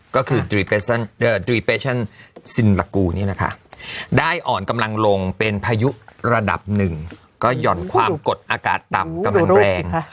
ก็คือนี่นะคะได้อ่อนกำลังลงเป็นพายุระดับหนึ่งก็หย่อนความกดอากาศต่ำกำลังแรง